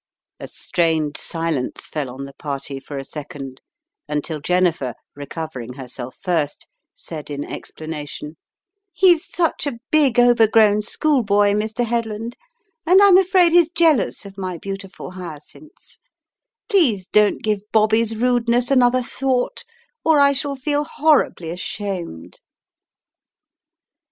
4 strained silence fell on the party for a second 188 The Riddle of the Purple Emperor until Jennifer, recovering herself first, said in explana tion: "He's such a big overgrown schoolboy, Mr. Head land, and I'm afraid he's jealous of my beautiful hyacinths. Please don't give Bobby's rudeness another thought or I shall feel horribly ashamed."